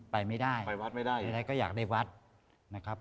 ไปไม่ได้ไปวัดไม่ได้ทีใดก็อยากได้วัดนะครับ